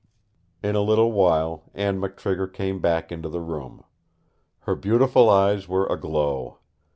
In a little while Anne McTrigger came back into the room. Her beautiful eyes were aglow.